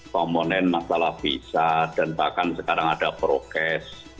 komponen masalah visa dan bahkan sekarang ada prokes